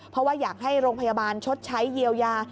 เพราะว่าอยากให้โรงพยาบาลชดใช้เยียวยา